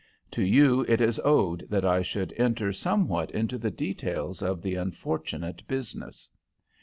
To you it is owed that I should enter somewhat into the details of the unfortunate business.